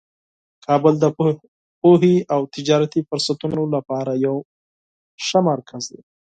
کابل د پوهې او تجارتي فرصتونو لپاره یو مهم مرکز دی.